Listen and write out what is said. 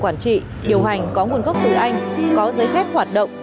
quản trị điều hành có nguồn gốc từ anh có giới khép hoạt động